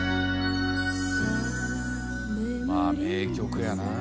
まあ名曲やな。